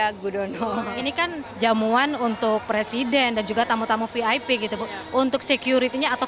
ya gudono ini kan jamuan untuk presiden dan juga tamu tamu vip gitu bu untuk security nya atau